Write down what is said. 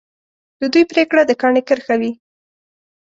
د دوی پرېکړه د کاڼي کرښه وي.